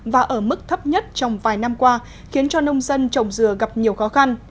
và ở mức thấp nhất trong vài năm qua khiến cho nông dân trồng dừa gặp nhiều khó khăn